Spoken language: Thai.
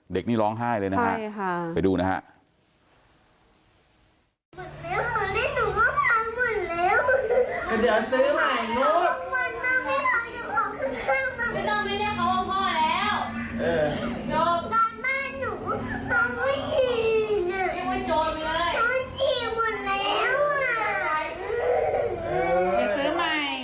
เด็กนี่ร้องไห้เลยนะครับไปดูนะฮะ